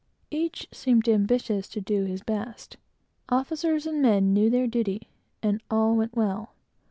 Every one seemed ambitious to do his best: officers and men knew their duty, and all went well.